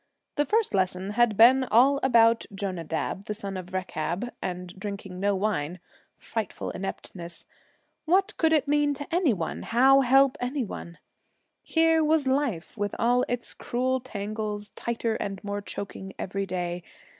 The First Lesson had been all about Jonadab, the son of Rechab, and drinking no wine frightful ineptness! What could it mean to any one? how help any one? Here was Life, with all its cruel tangles, tighter and more choking every day.